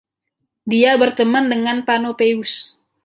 Dia berteman dengan Panopeus.